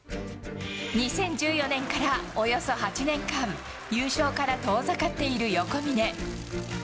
２０１４年からおよそ８年間、優勝から遠ざかっている横峯。